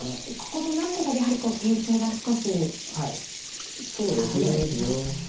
ここの何手かでやはり形勢が少し変わってきますかね。